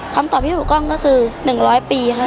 คำตอบพี่ผู้กล้องก็คือ๑๐๐ปีครับ